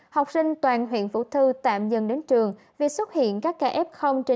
học sinh toàn huyện vũ thư tạm dừng đến trường vì xuất hiện các ca f trên